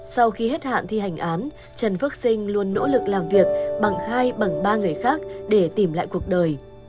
sau khi hết hạn thi hành án trần phước sinh luôn nỗ lực làm việc bằng hai bằng ba người khác để tìm lại cuộc đời